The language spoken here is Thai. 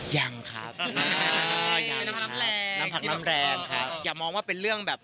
ยังครับ